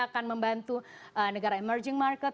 akan membantu negara emerging market